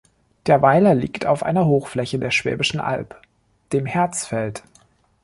Der Weiler liegt auf einer Hochfläche der Schwäbischen Alb, dem Härtsfeld.